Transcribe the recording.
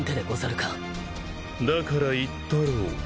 だから言ったろう。